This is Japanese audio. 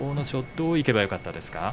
どういけばよかったですか。